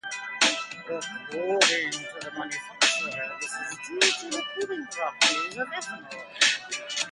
According to the manufacturer, this is due to the cooling properties of ethanol.